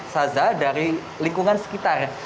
saza dari lingkungan sekitar